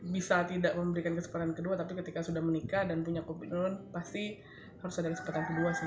bisa tidak memberikan kesempatan kedua tapi ketika sudah menikah dan punya copy nur pasti harus ada kesempatan kedua sih